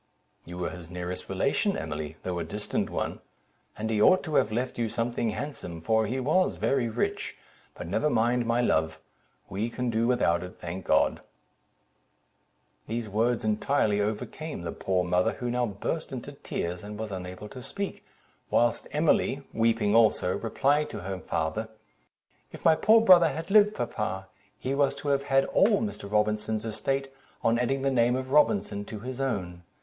"You were his nearest relation, Emily, though a distant one; and he ought to have left you something handsome, for he was very rich: but never mind, my love—we can do without it, thank God." These words entirely overcame the poor mother, who now burst into tears, and was unable to speak, whilst Emily (weeping also) replied to her father—"If my poor brother had lived, papa, he was to have had all Mr. Robinson's estate, on adding the name of Robinson to his own.